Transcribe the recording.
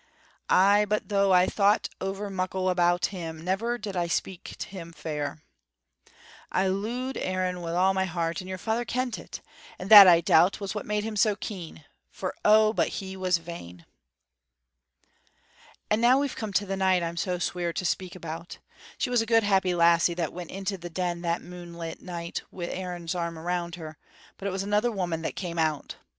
Ay, but though I thought ower muckle about him, never did I speak him fair. I loo'ed Aaron wi' all my heart, and your father kent it; and that, I doubt, was what made him so keen, for, oh, but he was vain! "And now we've come to the night I'm so sweer to speak about. She was a good happy lassie that went into the Den that moonlight night wi' Aaron's arm round her, but it was another woman that came out.